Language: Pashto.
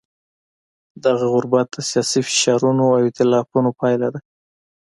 دغه غربت د سیاسي فشارونو او ایتلافونو پایله ده.